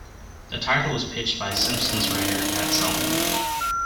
The title was pitched by "Simpsons" writer Matt Selman.